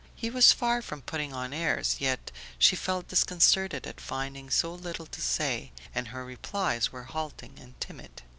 He was far from putting on airs, yet she felt disconcerted at finding so little to say, and her replies were halting and timid.